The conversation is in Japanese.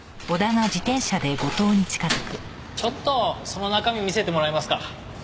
ちょっとその中身見せてもらえますか？